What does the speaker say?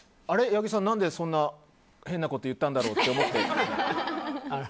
八木さんなんでそんな変なこと言ったんだろうと思って。